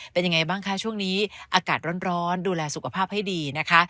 เป็นยังไงบ้างคะช่วงนี้อากาศร้อนดูแลสุขภาพให้ดีนะคะ